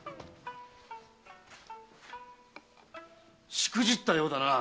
しくじったようだな！